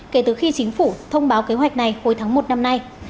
kể từ khi chính phủ thông báo kế hoạch này hồi tháng một năm nay